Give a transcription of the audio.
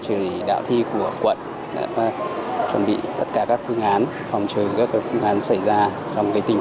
chỉ đạo thi của quận đã chuẩn bị tất cả các phương án phòng trừ các phương án xảy ra trong tình